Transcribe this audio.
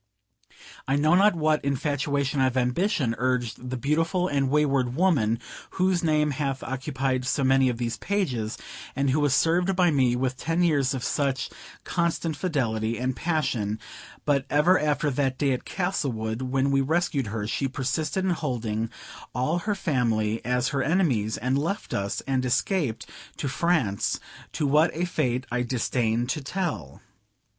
I know not what infatuation of ambition urged the beautiful and wayward woman, whose name hath occupied so many of these pages, and who was served by me with ten years of such constant fidelity and passion; but ever after that day at Castlewood, when we rescued her, she persisted in holding all her family as her enemies, and left us, and escaped to France, to what a fate I disdain to tell.